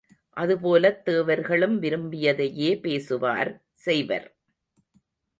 அதுபோலத் தேவர்களும் விரும்பியதையே பேசுவார் செய்வர்.